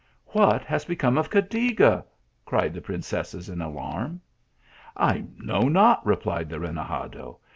" What has become of Cadiga ?" cried the prin cesses in alarm. " I know not," replied the renegade.